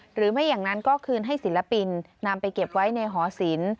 หรือไม่อย่างนั้นก็คืนให้ศิลปินนำไปเก็บไว้ในหอศิลป